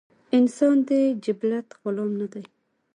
انسان د جبلت غلام نۀ دے